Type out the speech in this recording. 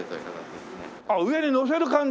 あっ上に載せる感じ？